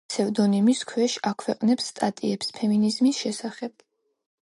იგი ფსევდონიმის ქვეშ აქვეყნებს სტატიებს ფემინიზმის შესახებ.